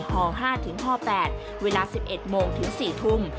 ห่อ๕ถึงห่อ๘เวลา๑๑โมงถึง๔ทุ่ม